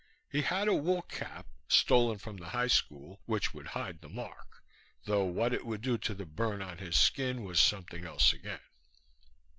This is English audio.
He had a wool cap, stolen from the high school, which would hide the mark, though what it would do to the burn on his skin was something else again.